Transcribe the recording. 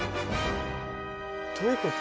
どういうこと？